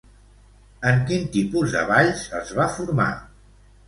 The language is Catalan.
En quin tipus de balls es va formar?